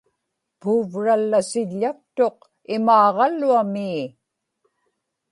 puuvrallasiḷḷaktuq imaaġaluamii